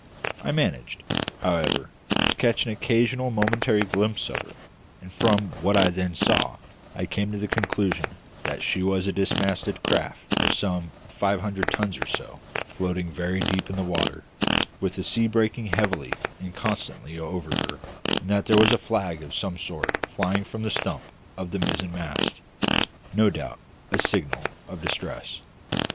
I managed, however, to catch an occasional momentary glimpse of her; and from what I then saw I came to the conclusion that she was a dismasted craft, of some five hundred tons or so, floating very deep in the water, with the sea breaking heavily and constantly over her, and that there was a flag of some sort flying from the stump of the mizzenmast no doubt a signal of distress.